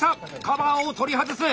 カバーを取り外す！